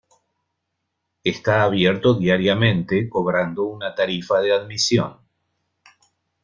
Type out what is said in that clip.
Está abierto diariamente, cobrando una tarifa de admisión.